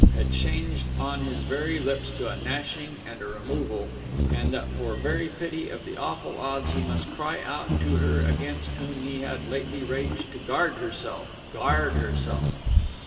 had changed on his very lips to a gnashing and a removal, and that for very pity of the awful odds he must cry out to her against whom he had lately raged to guard herself ... guard herself....